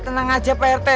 tenang aja pak rt